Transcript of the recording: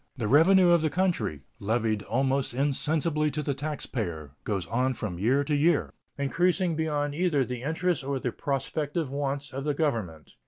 The revenue of the country, levied almost insensibly to the taxpayer, goes on from year to year, increasing beyond either the interests or the prospective wants of the Government.